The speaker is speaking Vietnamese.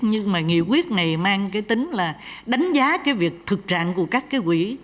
nhưng mà nghị quyết này mang cái tính là đánh giá cái việc thực trạng của các cái quỹ